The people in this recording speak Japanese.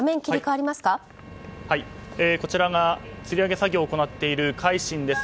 こちらが、つり上げ作業を行っている「海進」です。